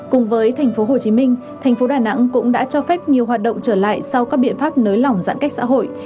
cùng với tp hcm tp đà nẵng cũng đã cho phép nhiều hoạt động trở lại sau các biện pháp nới lỏng giãn cách xã hội